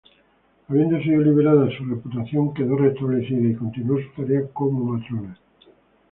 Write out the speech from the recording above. Habiendo sido liberada, su reputación quedó restablecida y continuó su tarea como matrona.